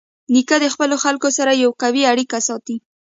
نیکه د خپلو خلکو سره یوه قوي اړیکه ساتي.